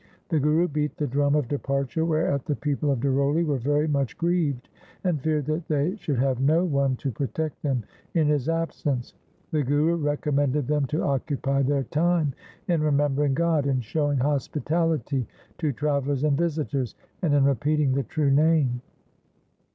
The Guru beat the drum of departure, whereat the people of Daroli were very much grieved, and feared that they should have no one to protect them in his absence. The Guru recommended them to occupy their time in remembering God, in showing hospitality to travellers and visitors, and in repeating the true Name.